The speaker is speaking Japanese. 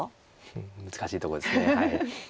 うん難しいとこです。